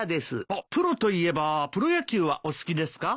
あっプロといえばプロ野球はお好きですか？